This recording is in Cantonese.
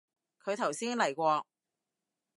佢頭先嚟過